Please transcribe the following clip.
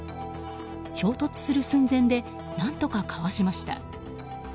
衝突する寸前で何とかかわしました。